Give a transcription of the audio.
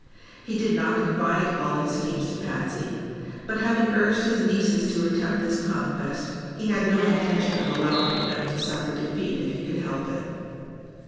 He did not confide all his schemes to Patsy, but having urged his nieces to attempt this conquest he had no intention of allowing them to suffer defeat if he could help it.